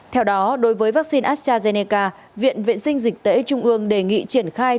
theo đó đối với vaccine astrazeneca viện vệ sinh dịch tễ trung ương đề nghị triển khai